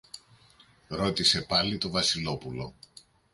ρώτησε πάλι το Βασιλόπουλο.